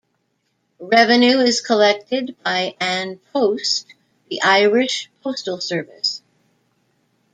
Revenue is collected by An Post, the Irish postal service.